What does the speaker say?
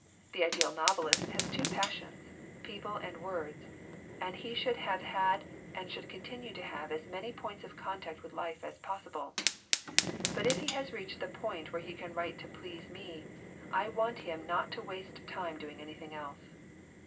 The ideal novelist has two passions, people and words, and he should have had and should continue to have as many points of contact with life as possible. But if he has reached the point where he can write to please me, I want him not to waste time doing anything else.